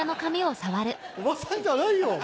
おばさんじゃないよ！